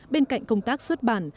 bên cạnh công tác xuất bản